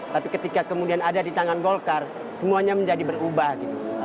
tapi ketika kemudian ada di tangan golkar semuanya menjadi berubah gitu